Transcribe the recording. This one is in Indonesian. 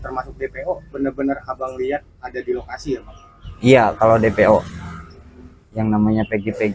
termasuk dpo bener bener abang lihat ada di lokasi iya kalau dpo yang namanya peggy peggy